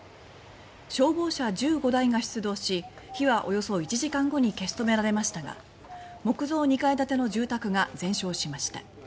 消防車１５台が出動し火は、およそ１時間後に消し止められましたが木造２階建ての住宅が全焼しました。